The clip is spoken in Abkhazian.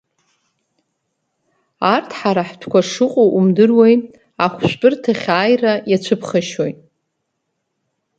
Арҭ ҳара ҳтәқәа шыҟоу умдыруеи, ахәшәтәырҭахь ааира иацәыԥхашьоит.